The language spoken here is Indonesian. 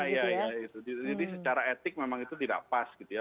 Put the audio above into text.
iya iya iya gitu jadi secara etik memang itu tidak pas gitu ya